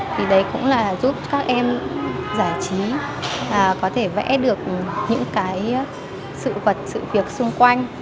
thì đấy cũng là giúp các em giải trí có thể vẽ được những cái sự vật sự việc xung quanh